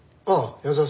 あっ！